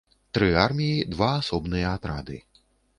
Тры арміі, два асобныя атрады.